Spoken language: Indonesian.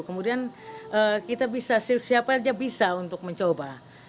kemudian kita bisa siapa saja bisa untuk mencoba